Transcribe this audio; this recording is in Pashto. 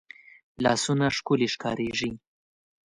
لاسونه ښکلې ښکارېږي